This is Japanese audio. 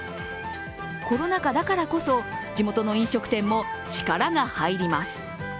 コロナ禍だからこそ地元の飲食店も力が入ります。